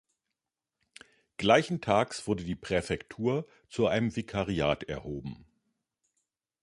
Gleichentags wurde die Präfektur zu einem Vikariat erhoben.